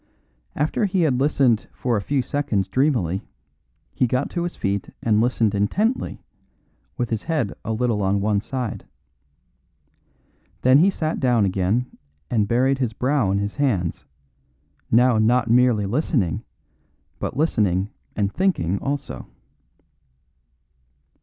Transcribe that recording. After he had listened for a few seconds dreamily, he got to his feet and listened intently, with his head a little on one side. Then he sat down again and buried his brow in his hands, now not merely listening, but listening and thinking also.